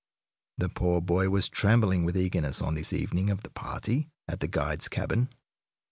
The poor boy was trembling with eagerness on this evening of the party at the guide's cabin.